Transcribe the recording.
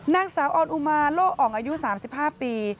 นางสาวออนอุมาโล่ออ่องอายุ๓๕ปี